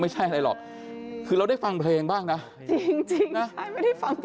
ได้ชอบที่นี่ไหมนะครับ